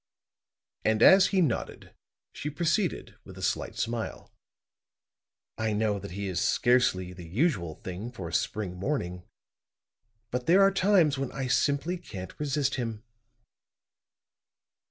And as he nodded, she proceeded with a slight smile. "I know that he is scarcely the usual thing for a spring morning. But there are times when I simply can't resist him."